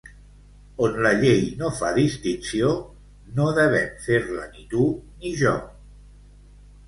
On la llei no fa distinció, no devem fer-la ni tu ni jo.